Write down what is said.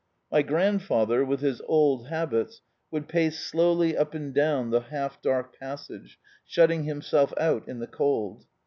My grandfather, with his old habits, would pace slowly up and down the half dark passage, shutting himself out in the cold.